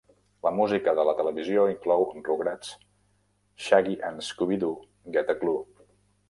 La música de la televisió inclou "Rugrats", "Shaggy and Scooby-Doo Get a Clue!"